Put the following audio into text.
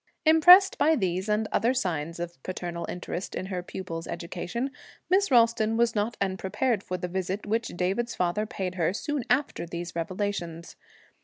Impressed by these and other signs of paternal interest in her pupil's education, Miss Ralston was not unprepared for the visit which David's father paid her soon after these revelations.